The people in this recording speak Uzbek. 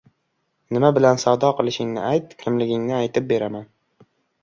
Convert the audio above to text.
• Nima bilan savdo qilishingni ayt, kimligingni aytib beraman.